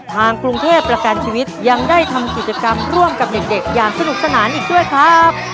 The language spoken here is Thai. ทางกรุงเทพประกันชีวิตยังได้ทำกิจกรรมร่วมกับเด็กอย่างสนุกสนานอีกด้วยครับ